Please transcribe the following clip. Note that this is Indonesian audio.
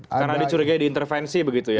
karena dicurigai diintervensi begitu ya